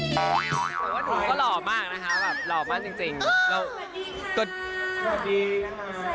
ผมก็เหล่ามากนะครับหล่ามากจริง